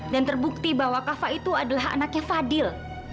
dan terbukti bahwa kafa itu adalah anaknya fadil